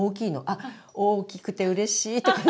あ大きくてうれしい！とか。